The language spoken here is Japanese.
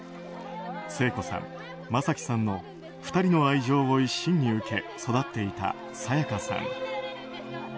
聖子さん、正輝さんの２人の愛情を一身に受け育っていた沙也加さん。